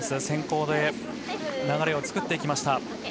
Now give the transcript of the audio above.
先攻で流れを作っていきました。